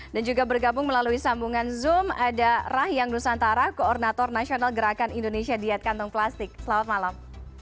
dan juga bergabung melalui sambungan zoom ada rahyang nusantara koordinator nasional gerakan indonesia diet kantong plastik selamat malam